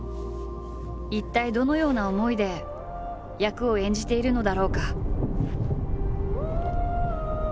一体どのような思いで役を演じているのだろうか。